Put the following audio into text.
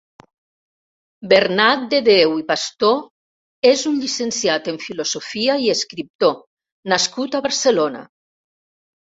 Bernat Dedéu i Pastor és un llicenciat en Filosofia i escriptor nascut a Barcelona.